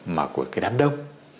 mà của cái đám đông